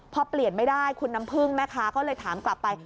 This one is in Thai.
พอเปลี่ยนไม่ได้คุณน้ำพึ่งแม่ค้าก็เลยถามกลับไป